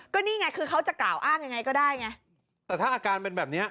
ก็นี่ไงคือเขาจะกล่าวอ้างยังไงก็ได้ไงแต่ถ้าอาการเป็นแบบเนี้ย